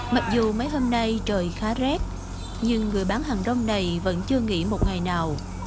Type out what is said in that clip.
mặc dù mấy hôm nay trời khá rét nhưng người bán hàng rong này vẫn chưa nghỉ một ngày nào